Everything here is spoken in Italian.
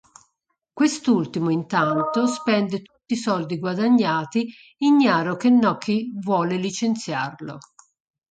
Quest'ultimo, intanto, spende tutti i soldi guadagnati, ignaro che Nucky vuole licenziarlo.